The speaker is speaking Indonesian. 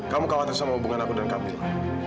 kamu khawatir sama hubungan aku dan camilla